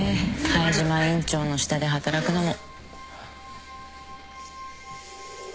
灰島院長の下で働くのも。